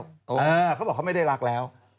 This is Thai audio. เขาบอกเขาไม่ได้รักแล้ว